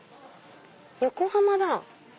横浜だ！